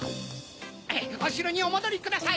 おしろにおもどりください。